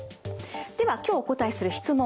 では今日お答えする質問